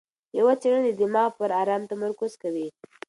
یوه څېړنه د دماغ پر ارام تمرکز کوي.